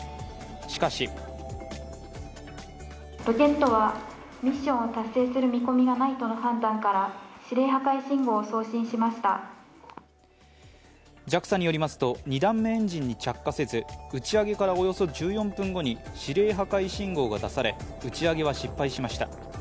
しかしＪＡＸＡによりますと２段目エンジンに着火せず、打ち上げからおよそ１４分後に指令破壊信号が出され打ち上げは失敗しました。